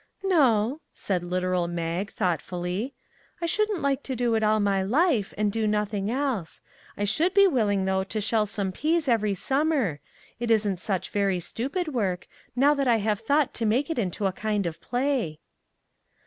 "No," said literal Mag, thoughtfully ; "I shouldn't like to do it all my life, and do noth ing else. I should be willing though to shell some peas every summer. It isn't such very stupid work, now that I have thought to make it into a kind of play."